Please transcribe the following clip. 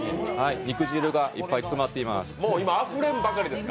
肉汁がいっぱい詰まっています。